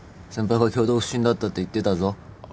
先輩が挙動不審だったって言ってたぞ。